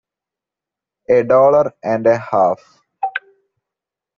A dollar and a half!